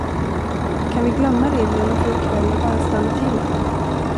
Kan vi glömma reglerna för ikväll och bara stanna till?